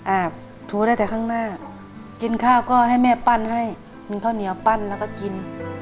ถูได้แต่ข้างหน้ากินข้าวก็ให้แม่ปั้นให้กินข้าวเหนียวปั้นแล้วก็กิน